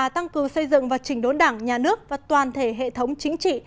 tăng cường xây dựng và trình đốn đảng nhà nước và toàn thể hệ thống chính trị